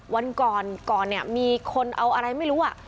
วันก่อนก่อนเนี่ยมีคนเอาอะไรไม่รู้อ่ะ